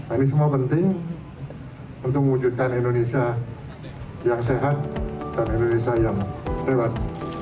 ini semua penting untuk mewujudkan indonesia yang sehat dan indonesia yang hebat